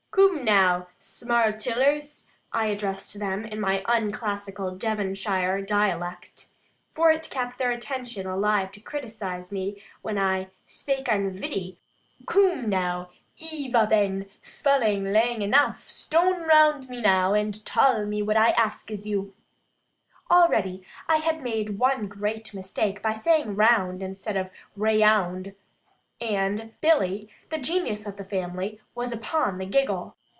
"Coom now, smarl chillers" I addressed them in my unclassical Devonshire dialect, for it kept their attention alive to criticise me when I "spak unvitty" "coom now, e've a been spulling lang enough: ston round me now, and tull me what I axes you." Already, I had made one great mistake, by saying "round" instead of "raound," and Billy, the genius of the family, was upon the giggle.